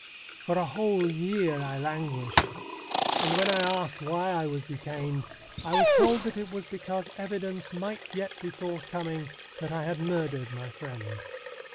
For a whole year I languished, and when I asked why I was detained I was told that it was because evidence might yet be forthcoming that I had murdered my friend.